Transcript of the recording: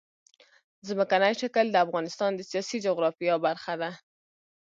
ځمکنی شکل د افغانستان د سیاسي جغرافیه برخه ده.